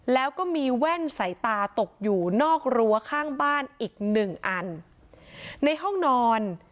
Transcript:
แล้วก็มีแว่นสายตาตกอยู่นอกรั้วข้างบ้านอีกหนึ่งอันในห้องนอน